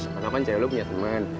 kenapa cewek lo punya temen